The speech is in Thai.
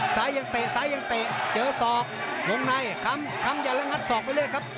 ซ้ายังเตะซ้ายังเตะเจอสอกลงในคำคำอย่าละงัดสอกไปเลยครับ